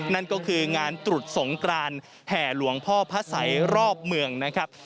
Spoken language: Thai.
นั่นก็คืองานตรุษสงกรานแห่หลวงพ่อพระสัยรอบเมืองนะครับ